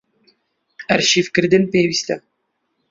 ئەرشیڤکردن پێویستە.